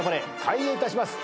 開演いたします。